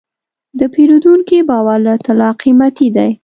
د پیرودونکي باور له طلا قیمتي دی.